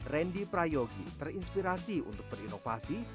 randy prayogi terinspirasi untuk berinovasi